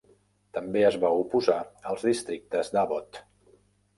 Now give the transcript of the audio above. També es va oposar als districtes d"Abbott.